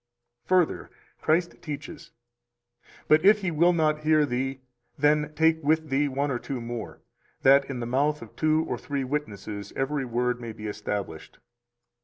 279 Further, Christ teaches: But if he will not hear thee, then take with thee one or two more, that in the mouth of two or three witnesses every word may be established.